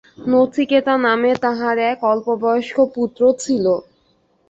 নচিকেতা নামে তাঁহার এক অল্পবয়স্ক পুত্র ছিল।